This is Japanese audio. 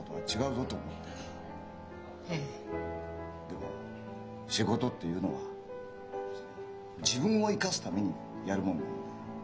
でも仕事っていうのは自分を生かすためにやるもんなんだ。